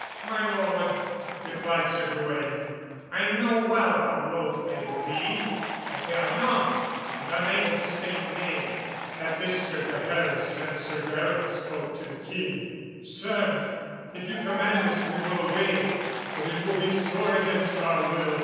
"My lord," replied Sir Gawaine, "I know well how loth they will be, but they are young and unable to say you nay." At this Sir Gaheris and Sir Gareth spoke to King Arthur: "Sir, if you command us we will obey, but it will be sore against our will.